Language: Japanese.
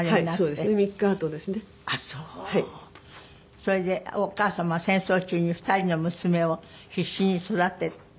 それでお母様は戦争中に２人の娘を必死に育ててらしたんですってね。